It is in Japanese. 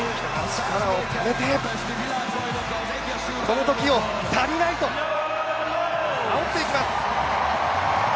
力をためて、このときを、足りないとあおっていきます。